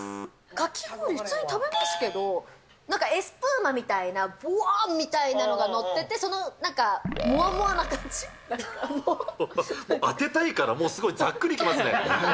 かき氷、普通に食べますけど、エスプーマみたいなもわぁー！みたいなのが載ってて、その、当てたいから、もうすごい、ざっくりきますね。